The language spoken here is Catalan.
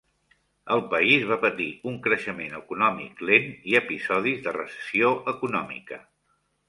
El país va patir un creixement econòmic lent i episodis de recessió econòmica.